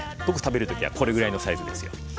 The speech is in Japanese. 僕食べる時はこれぐらいのサイズですよ。